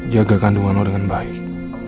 jaga kandungan lo dengan baik